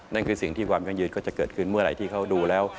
นั่นคือสิ่งที่ความยั่งยืนก็จะเกิดขึ้นเมื่อไหร่ที่เขาดูแล้ว